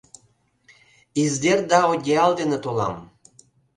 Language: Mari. издер да одеял дене толам.